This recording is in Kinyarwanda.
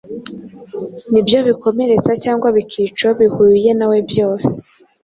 nibyo bikomeretsa cyangwa bikica uwo bihuye nawe byose